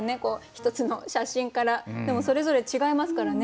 一つの写真からでもそれぞれ違いますからね。